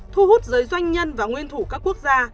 thu hút giới doanh nhân và nguyên thủ các quốc gia